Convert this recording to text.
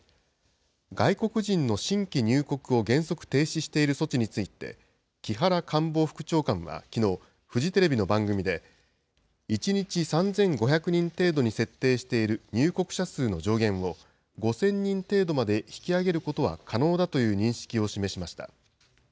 外国人の新規入国を原則停止している措置について、木原官房副長官はきのう、フジテレビの番組で、１日３５００人程度に設定している入国者数の上限を、５０００人程度まで引き上げることは可能だという認識を示しました。